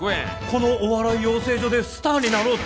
このお笑い養成所でスターになろう！